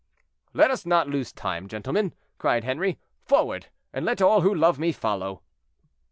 "Let us not lose time, gentlemen," cried Henri. "Forward, and let all who love me follow."